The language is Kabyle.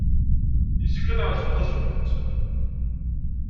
Yessefk ad nerẓem tazewwut?